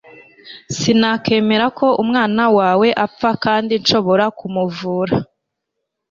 sinakwemera ko umwana wawe apfa kandi nshobora kumuvura